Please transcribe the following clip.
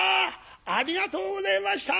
ありがとうごぜえました！